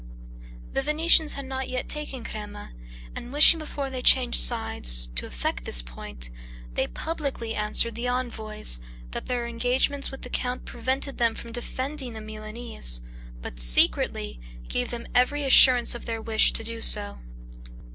The Venetians had not yet taken Crema, and wishing before they changed sides, to effect this point, they PUBLICLY answered the envoys, that their engagements with the count prevented them from defending the Milanese; but SECRETLY, gave them every assurance of their wish to do so.